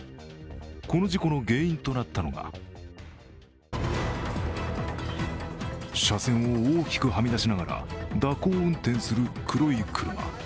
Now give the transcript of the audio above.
この事故の原因となったのが車線を大きくはみ出しながら蛇行運転する黒い車。